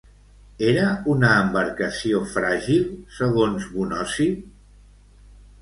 Era una embarcació fràgil, segons Bonosi?